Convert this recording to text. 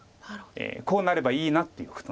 こうなればいいなっていうことなんです。